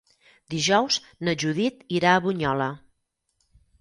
Dijous na Judit irà a Bunyola.